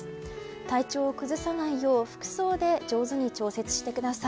体調を崩さないよう服装で上手に調節してください。